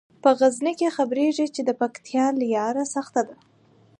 په غزني کې خبریږي چې د پکتیا لیاره سخته ده.